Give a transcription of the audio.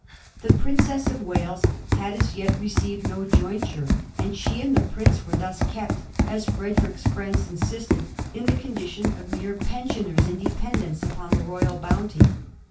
The Princess of Wales had as yet received no jointure, and she and the prince were thus kept, as Frederick's friends insisted, in the condition of mere pensioners and dependants upon the royal bounty.